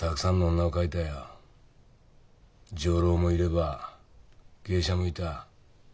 女郎もいれば芸者もいた。